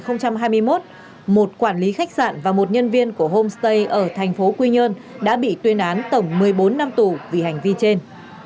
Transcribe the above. năm hai nghìn hai mươi một một quản lý khách sạn và một nhân viên của homestay ở thành phố quy nhơn đã bị tuyên án tổng một mươi bốn năm tù vì hành vi trên